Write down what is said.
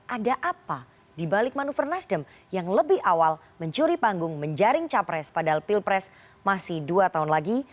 ada apa dibalik manuver nasdem yang lebih awal mencuri panggung menjaring capres padahal pilpres masih dua tahun lagi